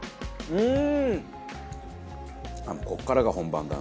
うん。